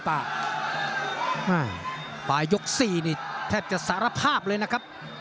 ปลายยก๔นี่แทบจะสารภาพเลยนะครับ